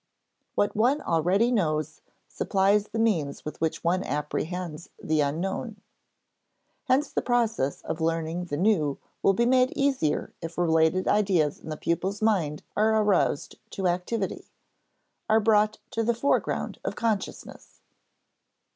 What one already knows supplies the means with which one apprehends the unknown. Hence the process of learning the new will be made easier if related ideas in the pupil's mind are aroused to activity are brought to the foreground of consciousness.